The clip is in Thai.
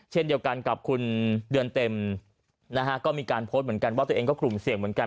เช่นเดียวกันกับคุณเดือนเต็มนะฮะก็มีการโพสต์เหมือนกันว่าตัวเองก็กลุ่มเสี่ยงเหมือนกัน